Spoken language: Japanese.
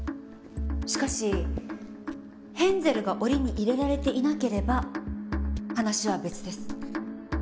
しかしヘンゼルが檻に入れられていなければ話は別です。